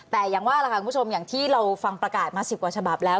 แต่อย่างว่าคุณผู้ชมที่เราฟังประกาศมา๑๐กว่าฉบับแล้ว